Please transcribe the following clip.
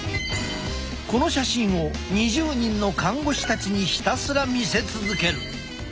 この写真を２０人の看護師たちにひたすら見せ続ける。